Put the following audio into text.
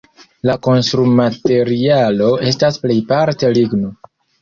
La konstrumaterialo estas plejparte ligno.